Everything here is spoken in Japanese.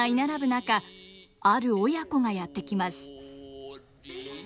中ある親子がやって来ます。